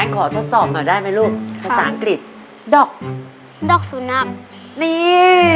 ขอทดสอบหน่อยได้ไหมลูกภาษาอังกฤษดอกสุนักนี่